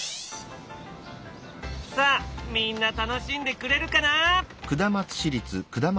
さあみんな楽しんでくれるかな。